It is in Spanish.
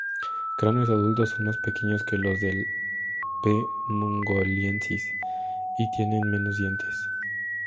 Cráneos adultos son más pequeños que los del "P. mongoliensis" y tienen menos dientes.